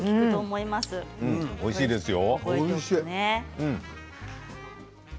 おいしいですよ。